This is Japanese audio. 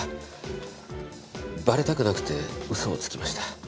バレたくなくて嘘をつきました。